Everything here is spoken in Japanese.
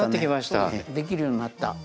できるようになった。